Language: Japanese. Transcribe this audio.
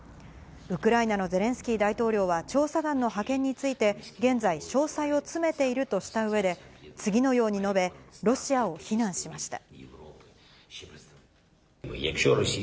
ウクライナのゼレンスキー大統領は調査団の派遣について、現在、詳細を詰めているとしたうえで、次のように述べ、ロシアを非難しました。